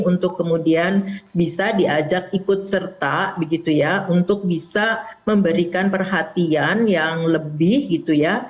untuk kemudian bisa diajak ikut serta begitu ya untuk bisa memberikan perhatian yang lebih gitu ya